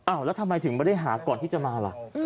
แล้วทำไมถึงไม่ได้หาก่อนที่จะมาล่ะ